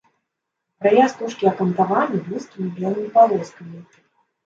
Края стужкі акантаваны вузкімі белымі палоскамі.